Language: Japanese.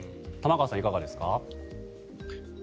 玉川さん、いかがですか。